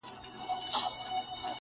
• له لنډیو کفنونه محتسب لره ګنډمه -